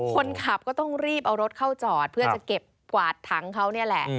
คนขับก็ต้องรีบเอารถเข้าจอดเพื่อจะเก็บกวาดถังเขานี่แหละ